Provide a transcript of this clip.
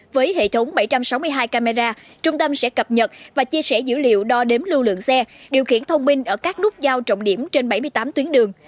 với hệ thống bảy trăm sáu mươi hai camera trung tâm sẽ cập nhật và chia sẻ dữ liệu đo đếm lưu lượng xe điều khiển thông minh ở các nút giao trọng điểm trên bảy mươi tám tuyến đường